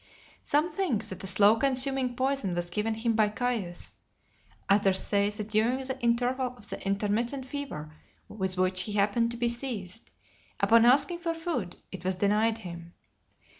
Some think that a slow consuming poison was given him by Caius . Others say that during the interval of the intermittent fever with which he happened to be seized, upon asking for food, it was denied him.